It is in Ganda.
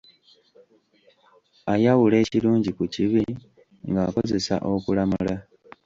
Ayawula ekirungi ku kibi ng'akozesa okulamula.